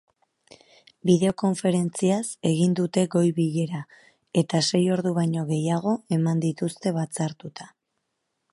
Bideokonferentziaz egin dute goi-bilera, eta sei ordu baino gehiago eman dituzte batzartuta.